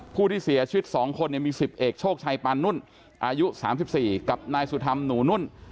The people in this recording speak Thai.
ผู้ที่เสียชีวิตสองคนเนี่ยมีสิบเอกโชคชายปันนุ่นอายุสามสิบสี่กับนายสุธรรมหนูนุ่น